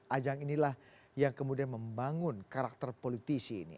ajang inilah yang kemudian membangun karakter politisi ini